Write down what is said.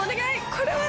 これは。